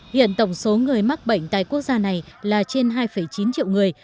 hiện tổng số người mắc bệnh tại quốc gia này là trên hai chín triệu người